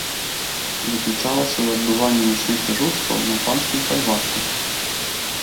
Заключалася ў адбыванні начных дзяжурстваў на панскім фальварку.